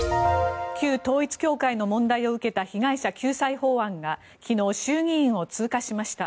旧統一教会の問題を受けた被害者救済法案が昨日、衆議院を通過しました。